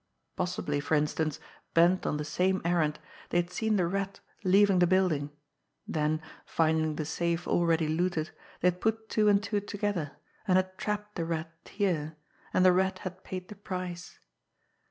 Possibly, for instance, bent on the same errand, they had seen the Rat leaving the building; then, finding the safe already looted, they had put two and two together, and had trapped the Rat here and the Rat had paid the price!